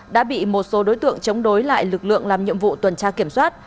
đã bị một số đối tượng chống đối lại lực lượng làm nhiệm vụ tuần tra kiểm soát